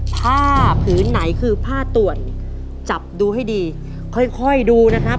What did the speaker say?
ผ้าผืนไหนคือผ้าตรวจจับดูให้ดีค่อยค่อยดูนะครับ